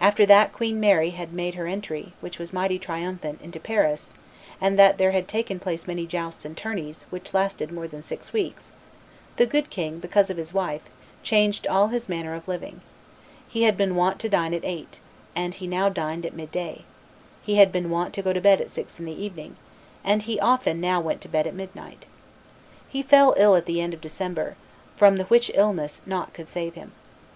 After that Queen Mary had made her entry, which was mighty triumphant, into Paris, and that there had taken place many jousts and tourneys, which lasted more than six weeks, the good king, because of his wife, changed all his manner of living: he had been wont to dine at eight, and he now dined at midday; he had been wont to go to bed at six in the evening, and he often now went to bed at midnight. He fell ill at the end of December, from the which illness nought could save him.